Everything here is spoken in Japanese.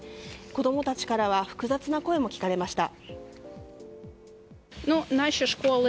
子供たちからは複雑な声も聞かれました。